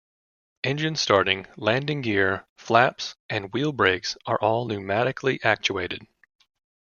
Engine starting, landing gear, flaps, and wheel brakes are all pneumatically actuated.